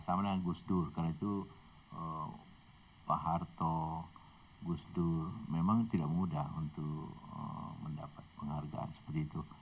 sama dengan gus dur karena itu pak harto gus dur memang tidak mudah untuk mendapat penghargaan seperti itu